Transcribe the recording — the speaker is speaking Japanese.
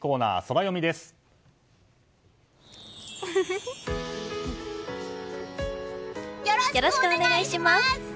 よろしくお願いします！